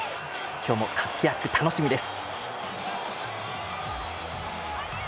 今日も活躍、楽しみです。